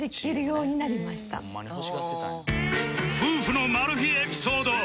夫婦のマル秘エピソード